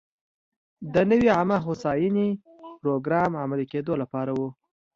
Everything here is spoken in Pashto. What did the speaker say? د نوې عامه هوساینې پروګرام عملي کېدو لپاره و.